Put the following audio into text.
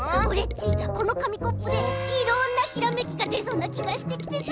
ちこのかみコップでいろんなひらめきがでそうなきがしてきてさ。